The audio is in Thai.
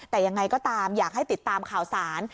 แต่ยังไงก็ตามอยากให้ติดตามข่าวสาร